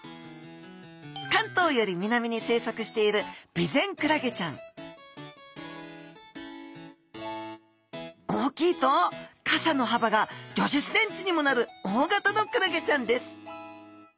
関東より南に生息しているビゼンクラゲちゃん大きいと傘のはばが５０ｃｍにもなる大型のクラゲちゃんです。